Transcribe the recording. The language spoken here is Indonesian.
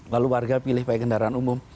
lalu warga pilih pakai kendaraan umum